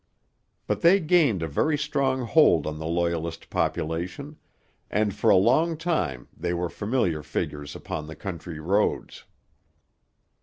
But they gained a very strong hold on the Loyalist population; and for a long time they were familiar figures upon the country roads.